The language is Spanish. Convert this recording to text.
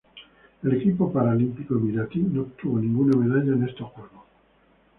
El equipo paralímpico emiratí no obtuvo ninguna medalla en estos Juegos.